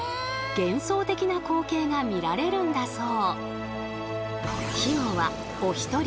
幻想的な光景が見られるんだそう。